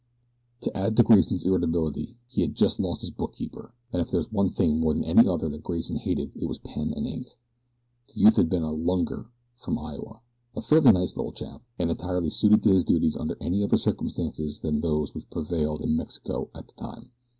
To add to Grayson's irritability he had just lost his bookkeeper, and if there was one thing more than any other that Grayson hated it was pen and ink. The youth had been a "lunger" from Iowa, a fairly nice little chap, and entirely suited to his duties under any other circumstances than those which prevailed in Mexico at that time.